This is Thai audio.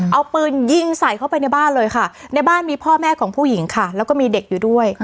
เอาปืนยิงใส่เข้าไปในบ้านเลยค่ะในบ้านมีพ่อแม่ของผู้หญิงค่ะแล้วก็มีเด็กอยู่ด้วย